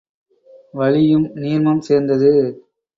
வளியும் நீர்மம் சேர்ந்தது.